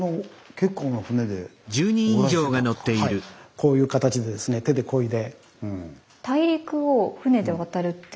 こういう形でですね手でこいで。